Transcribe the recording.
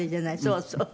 そうそう。